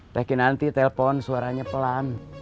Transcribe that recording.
teh kinanti telpon suaranya pelan